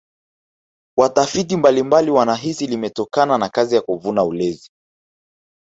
watafiti mbalimbali wanahisi limetokana na kazi ya kuvuna ulezi